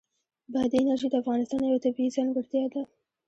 بادي انرژي د افغانستان یوه طبیعي ځانګړتیا ده.